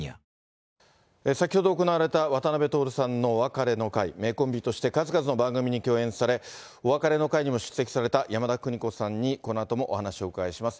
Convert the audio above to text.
「パーフェクトホイップ」名コンビとして数々の番組に共演され、お別れの会にも出席された山田邦子さんに、このあともお話をお伺いします。